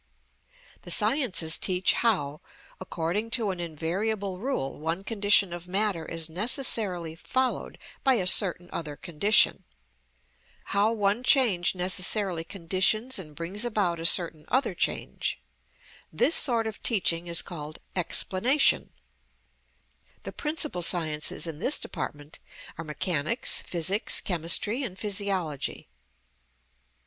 The sciences teach how, according to an invariable rule, one condition of matter is necessarily followed by a certain other condition; how one change necessarily conditions and brings about a certain other change; this sort of teaching is called explanation. The principal sciences in this department are mechanics, physics, chemistry, and physiology.